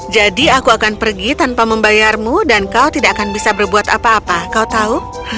jadi aku akan pergi tanpa membayarmu dan kau tidak akan bisa berbuat apa apa kau tahu